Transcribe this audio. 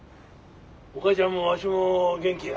おかあちゃんもわしも元気や。